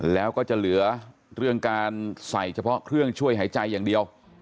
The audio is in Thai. แล้วก็จะเหลือเรื่องการใส่เฉพาะเครื่องช่วยหายใจอย่างเดียว